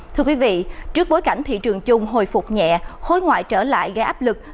thưa quý vị trước bối cảnh thị trường chung hồi phục nhẹ khối ngoại trở lại gây áp lực